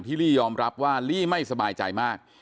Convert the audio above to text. ลี่ยอมรับว่าลี่ไม่สบายใจมาก